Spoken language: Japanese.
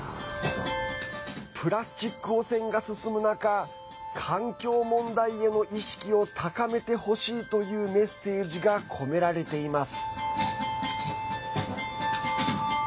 プラスチック汚染が進む中環境問題への意識を高めてほしいというメッセージが込められています。